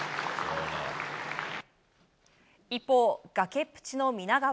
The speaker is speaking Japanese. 一方、崖っぷちの皆川。